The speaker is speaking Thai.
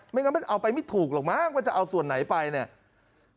งั้นมันเอาไปไม่ถูกหรอกมั้งว่าจะเอาส่วนไหนไปเนี่ย